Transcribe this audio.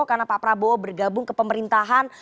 karena pak prabowo bergabung ke pemerintahan